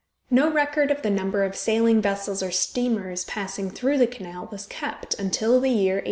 No record of the number of sailing vessels or steamers passing through the canal was kept until the year 1864.